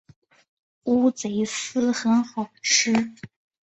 乌贼丝很好吃